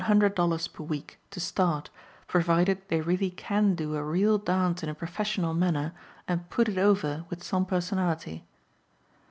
00 per week, to start, provided they really can do a real dance in a professional manner and "put it over" with some personality.